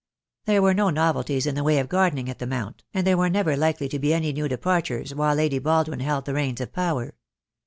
There were no novelties in the way of gardening at the Mount, and there were never likely to be any new departures while Lady Baldwin held the reins of power.